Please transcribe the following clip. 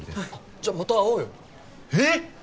じゃあまた会おうよえっ